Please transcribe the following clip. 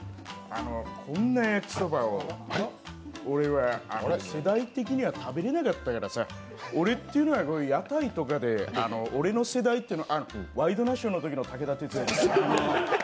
こんな焼きそばを俺は世代的には食べれなかったからさ、俺っていうのは屋台とかで、俺の世代っていうのはあ、「ワイドナショー」のときの武田鉄矢です。